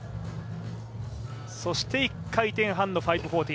そして１回転半の５４０。